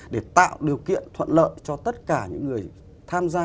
để tạo điều kiện thuận lợi cho tất cả những người tham gia